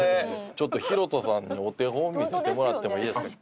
弘田さんにお手本見せてもらってもいいですか？